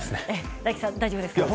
大吉さん、大丈夫ですか？